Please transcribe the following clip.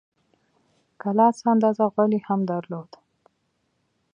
کلا څه اندازه غولی هم درلود.